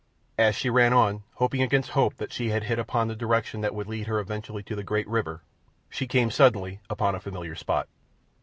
As she ran on, hoping against hope that she had hit upon the direction that would lead her eventually to the great river, she came suddenly upon a familiar spot.